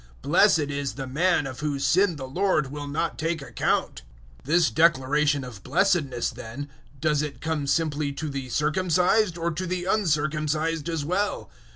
004:008 Blessed is the man of whose sin the Lord will not take account." 004:009 This declaration of blessedness, then, does it come simply to the circumcised, or to the uncircumcised as well?